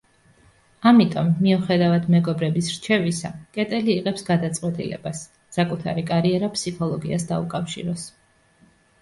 ამიტომ, მიუხედავად მეგობრების რჩევისა, კეტელი იღებს გადაწყვეტილებას საკუთარი კარიერა ფსიქოლოგიას დაუკავშიროს.